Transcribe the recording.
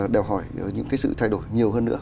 đòi hỏi những cái sự thay đổi nhiều hơn nữa